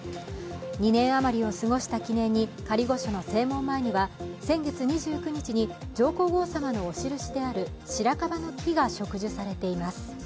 ２年余りを過ごした記念に、仮御所の正門前には先月２９日に、上皇后さまのお印であるしらかばの木が植樹されています。